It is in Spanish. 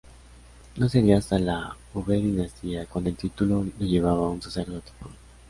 No sería hasta la V Dinastía cuando el título lo llevaba un sacerdote puro.